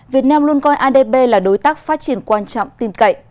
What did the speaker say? việt nam luôn coi adb là đối tác phát triển quan trọng tin cậy